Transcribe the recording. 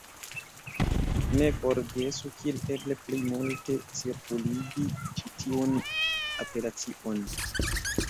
Ne forgesu kiel eble plej multe cirkuligi ĉi tiun apelacion!